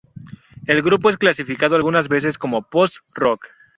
El grupo es clasificado algunas veces como Post rock.